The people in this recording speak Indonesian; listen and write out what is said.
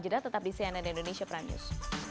jeda tetap di cnn indonesia prime news